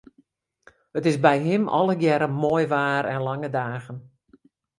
It is by him allegearre moai waar en lange dagen.